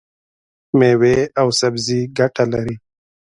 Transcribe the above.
مېوې او سبزي ګټه لري.